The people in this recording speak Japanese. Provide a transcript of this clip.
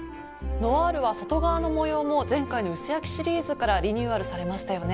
ノアールは外側の模様も前回の薄焼きシリーズからリニューアルされましたよね。